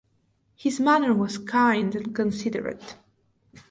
His manner was kind and considerate.